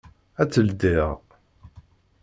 Ad tt-ldiɣ.